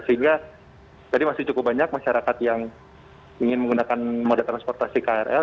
sehingga tadi masih cukup banyak masyarakat yang ingin menggunakan moda transportasi krl